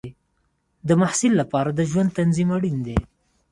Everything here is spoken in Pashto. د محصل لپاره د ژوند تنظیم اړین دی.